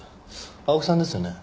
青木さんですよね？